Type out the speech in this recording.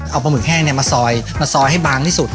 เอาปลาหึกแห้งมาซอยมาซอยให้บางที่สุด